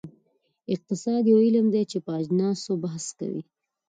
اقتصاد یو علم دی چې په اجناسو بحث کوي.